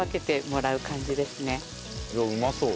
いやうまそう。